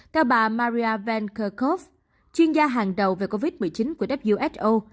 theo bà maria van kerkhove chuyên gia hàng đầu về covid một mươi chín của who